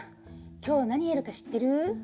今日何やるか知ってる？